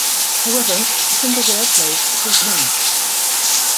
However, the single's airplay quickly diminished.